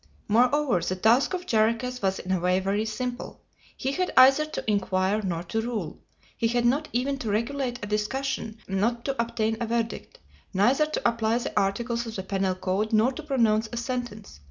Moreover, the task of Jarriquez was in a way very simple. He had either to inquire nor to rule; he had not even to regulate a discussion nor to obtain a verdict, neither to apply the articles of the penal code nor to pronounce a sentence.